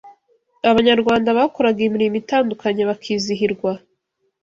Abanyarwanda bakoraga imirimo itandukanye bakizihirwa